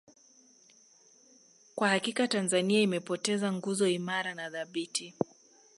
Kwa hakika Tanzania imepoteza nguzo imara na thabiti